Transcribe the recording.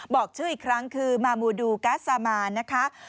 บอกชื่ออีกครั้งคือมามูดูกัสซามานนะคะ